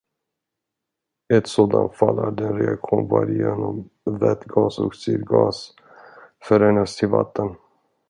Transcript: Ett sådant fall är den reaktion, varigenom vätgas och syrgas förenas till vatten.